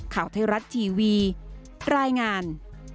ข่าวไทยรัฐทีวีรายงาน